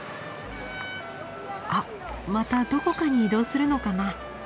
あっまたどこかに移動するのかな。